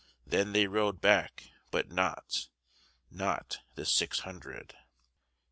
Then they rode back, but notNot the six hundred.